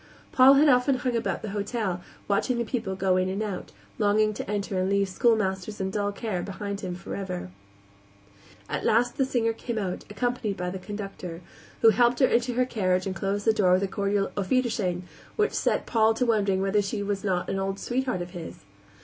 Paul had often hung about the hotel, watching the people go in and out, longing to enter and leave schoolmasters and dull care behind him forever. At last the singer came out, accompanied by the conductor, who helped her into her carriage and closed the door with a cordial auf wiedersehen which set Paul to wondering whether she were not an old sweetheart of his.